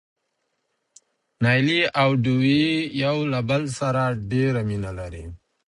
نايلې او ډوېوې يو له بل سره ډېره مينه لرله.